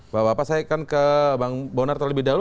bapak bapak saya akan ke bang bonar terlebih dahulu